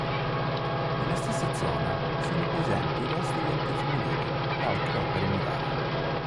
Nella stessa zona sono presenti resti di antichi mulini e altre opere murarie.